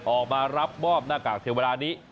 ออกมารับมอบหน้ากากเชื้อโรคแบบนี้